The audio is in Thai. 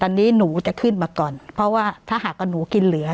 ตอนนี้หนูจะขึ้นมาก่อนเพราะว่าถ้าหากว่าหนูกินเหลือ